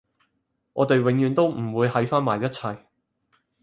我哋永遠都唔會喺返埋一齊